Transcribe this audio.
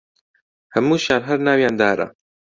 هەمووشیان هەر ناویان دارە